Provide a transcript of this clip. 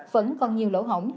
vẫn còn nhiều lỗ hổng